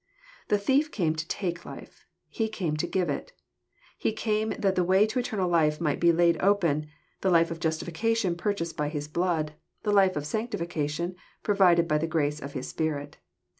The thief came to take life : He came to give it. He came that the way to eternal life might be laid open, the life of justification purchased by His blood, the life of sanctification provided by the grace of His Spirit.